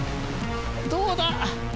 どうだ？